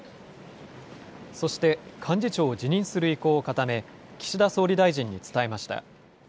そして、幹事長を辞任する意向を固め、岸田総理大臣に伝えました。